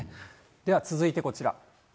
では続いてこちら。